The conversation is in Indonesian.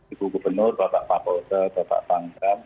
ibu gubernur bapak pak pausa bapak panggam